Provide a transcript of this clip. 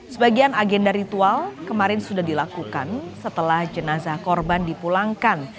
sebagian agenda ritual kemarin sudah dilakukan setelah jenazah korban dipulangkan